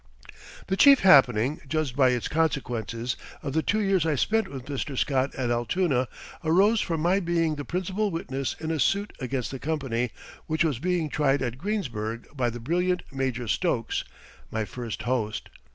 The chief happening, judged by its consequences, of the two years I spent with Mr. Scott at Altoona, arose from my being the principal witness in a suit against the company, which was being tried at Greensburg by the brilliant Major Stokes, my first host.